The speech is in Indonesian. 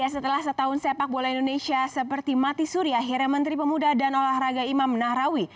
setelah setahun sepak bola indonesia seperti mati suri akhirnya menteri pemuda dan olahraga imam nahrawi